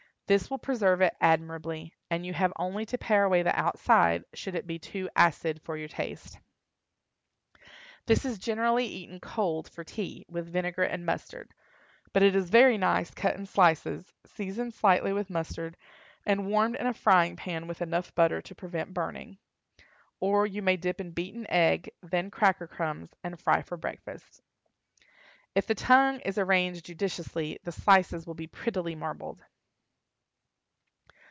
This will preserve it admirably, and you have only to pare away the outside, should it be too acid for your taste. This is generally eaten cold for tea, with vinegar and mustard; but it is very nice cut in slices, seasoned slightly with mustard, and warmed in a frying pan with enough butter to prevent burning. Or, you may dip in beaten egg, then cracker crumbs, and fry for breakfast. If the tongue is arranged judiciously the slices will be prettily marbled.